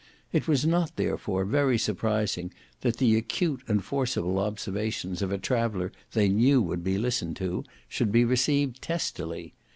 It was not, therefore, very surprising that the acute and forcible observations of a traveller they knew would be listened to, should be received testily.